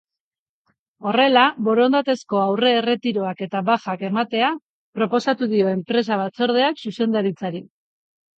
Horrela, borondatezko aurre-erretiroak eta bajak ematea proposatu dio empresa-batzordeak zuzendaritzari.